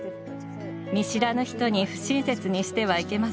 「見知らぬ人に不親切にしてはいけません。